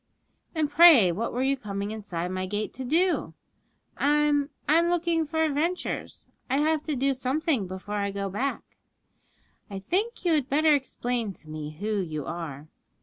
'And pray what were you coming inside my gate to do?' 'I'm I'm looking for adventures; I have to do something before I go back.' 'I think you had better explain to me who you are.'